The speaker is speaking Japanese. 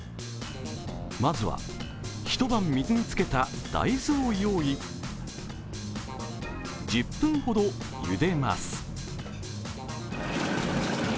まずは、一晩水につけた大豆を用意１０分ほどゆでます。